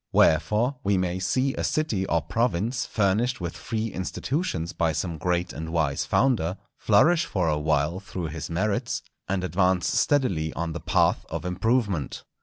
Wherefore, we may see a city or province furnished with free institutions by some great and wise founder, flourish for a while through his merits, and advance steadily on the path of improvement.